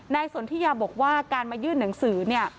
ในส่วนที่ยาบอกว่าการมายื่นหนังสือ